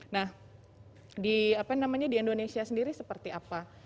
nah di indonesia sendiri seperti apa